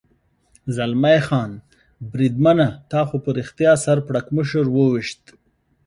زلمی خان: بریدمنه، تا خو په رښتیا سر پړکمشر و وېشت.